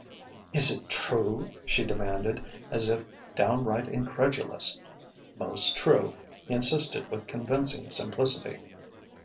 "Is it true?" she demanded, as if downright incredulous. "Most true," he insisted with convincing simplicity.